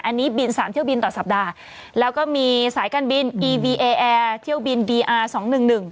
อันนี้บินสามเที่ยวบินต่อสัปดาห์แล้วก็มีสายการบินอีวีเอแอร์เที่ยวบินดีอาร์สองหนึ่งหนึ่ง